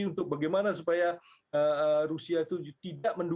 untuk bagaimana supaya rusia itu tidak akan bergeser